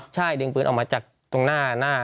ใช่ดึงปืนออกมาจากตรงหน้า